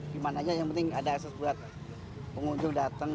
gimana aja yang penting ada akses buat pengunjung datang